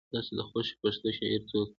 ستا د خوښې پښتو شاعر څوک دی؟